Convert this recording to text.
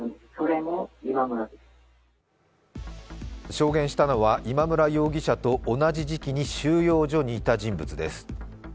証言したのは今村容疑者と同じ時期に収容所にいた人物です。